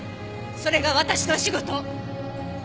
それが私の仕事。